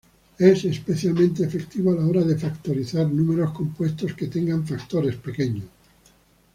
Es especialmente efectivo a la hora de factorizar números compuestos que tengan factores pequeños.